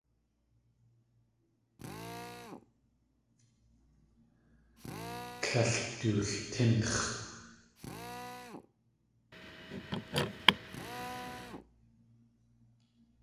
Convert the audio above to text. Tlél dultínx̲.